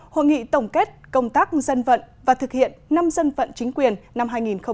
hội nghị tổng kết công tác dân vận và thực hiện năm dân vận chính quyền năm hai nghìn một mươi chín